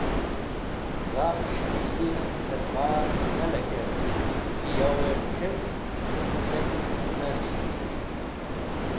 Zavẽvẽs̃h dẽ yirẽn tẽr bar ne lekẽrt ki yo c̃hez̃hẽm zenj me dik̃ht.